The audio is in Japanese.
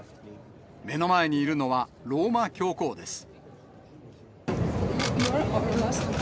目の前にいるのは、ローマ教皇です。